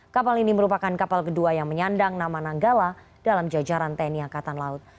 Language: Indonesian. kapal ini merupakan kapal kedua yang menyandang nama nanggala dalam jajaran tni angkatan laut